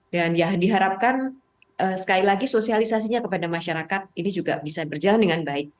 dan ya diharapkan sekali lagi sosialisasinya kepada masyarakat ini juga bisa berjalan dengan baik